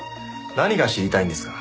何が知りたいんですか？